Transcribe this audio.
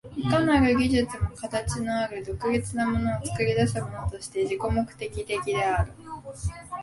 いかなる技術も形のある独立なものを作り出すものとして自己目的的である。